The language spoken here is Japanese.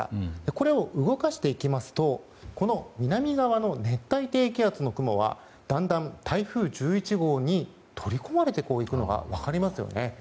これを動かしていきますと南側の熱帯低気圧の雲はだんだん台風１１号に取り込まれていくのが分かりますよね。